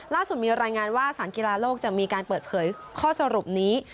ล่าสุดมีรายงานว่าสารกีฬาโลกจะมีการเปิดเผยข้อสรุปนี้